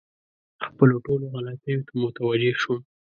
خپلو ټولو غلطیو ته متوجه شوم.